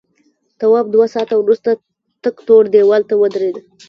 تواب دوه ساعته وروسته تک تور دیوال ته ودرېد.